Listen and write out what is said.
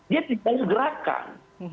dia tidak bergerakan